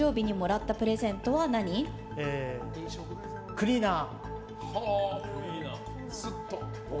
クリーナー。